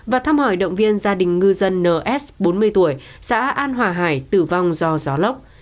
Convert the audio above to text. và thăm hỏi động viên gia đình ngư dân ns bốn mươi tuổi xã an hòa hải tử vong do gió lốc